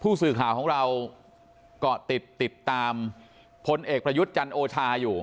สื่อข่าวของเราเกาะติดติดตามพลเอกประยุทธ์จันโอชาอยู่